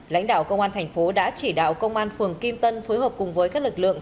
lãnh đạo công an thành phố đã chỉ đạo công an phường kim tân phối hợp cùng với các lực lượng